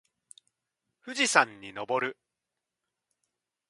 富士山にのぼる。